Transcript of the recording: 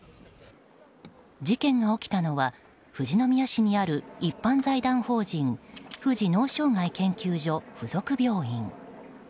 事件が起きたは富士宮市にある一般財団法人富士脳障害研究所属附属病院。